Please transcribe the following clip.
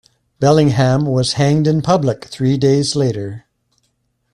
Bellingham was hanged in public three days later.